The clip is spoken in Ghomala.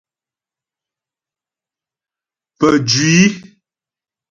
Pəjwî.